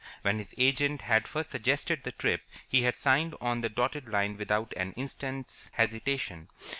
When his agent had first suggested the trip, he had signed on the dotted line without an instant's hesitation.